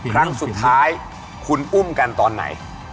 ครั้งสุดท้ายคุณอุ้มกันตอนไหน